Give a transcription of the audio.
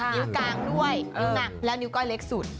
นิ้วกลางด้วยนิ้วหนักแล้วนิ้วก้อยเล็กสุด